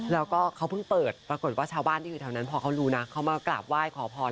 แล้วก็เขาเพิ่งเปิดปรากฏว่าชาวบ้านที่อยู่แถวนั้นพอเขารู้นะเขามากราบไหว้ขอพร